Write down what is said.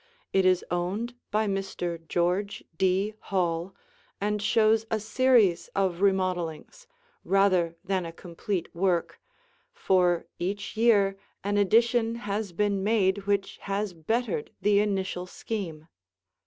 It is owned by Mr. George D. Hall, and shows a series of remodelings, rather than a complete work, for each year an addition has been made which has bettered the initial scheme.